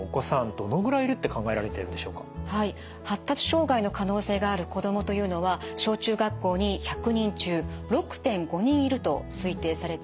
発達障害の可能性がある子どもというのは小中学校に１００人中６．５人いると推定されています。